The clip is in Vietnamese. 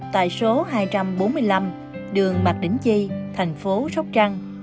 tại số hai trăm bốn mươi năm đường mạc đỉnh chi thành phố sóc trăng